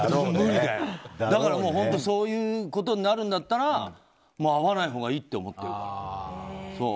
だからそういうことになるんだったら会わないほうがいいって思ってるから。